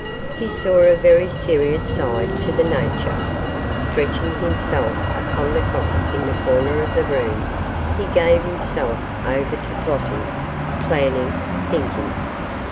He saw a very serious side to the adventure. Stretching himself upon the cot in the corner of the room he gave himself over to plotting, planning, thinking.